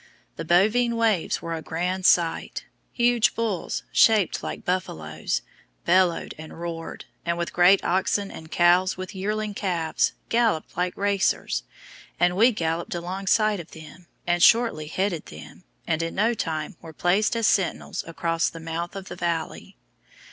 The bovine waves were a grand sight: huge bulls, shaped like buffaloes, bellowed and roared, and with great oxen and cows with yearling calves, galloped like racers, and we galloped alongside of them, and shortly headed them and in no time were placed as sentinels across the mouth of the valley.